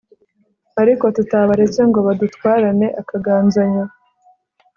ariko tutabaretse ngo badutwarane akaganzanyo